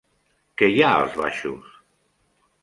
Què hi ha als baixos?